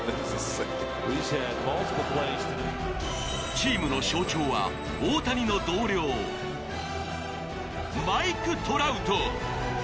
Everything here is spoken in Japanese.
チームの象徴は大谷の同僚マイク・トラウト。